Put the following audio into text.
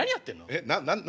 えっな何？